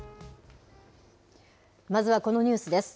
まずはこのニュースです。